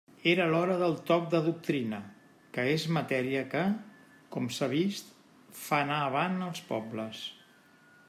Era l'hora del toc de doctrina, que és matèria que, com s'ha vist, fa anar avant els pobles.